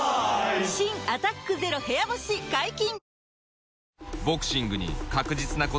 新「アタックＺＥＲＯ部屋干し」解禁‼